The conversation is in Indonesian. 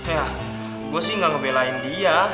ya gue sih ga ngebelain dia